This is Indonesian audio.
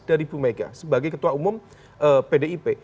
dari bumega sebagai ketua umum pdip